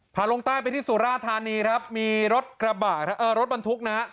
ลงใต้ไปที่สุราธานีครับมีรถกระบะเอ่อรถบรรทุกนะฮะ